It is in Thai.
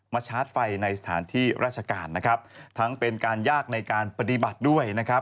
ชาร์จไฟในสถานที่ราชการนะครับทั้งเป็นการยากในการปฏิบัติด้วยนะครับ